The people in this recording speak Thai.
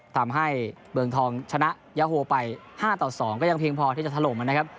เมืองทองชนะยาโฮไป๕ต่อ๒ก็ยังเพียงพอที่จะถล่มนะครับ